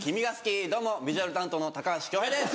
どうもビジュアル担当の高橋恭平です。